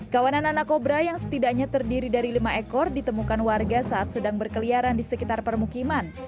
kawanan anak kobra yang setidaknya terdiri dari lima ekor ditemukan warga saat sedang berkeliaran di sekitar permukiman